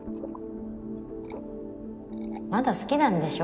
まだ好きなんでしょ？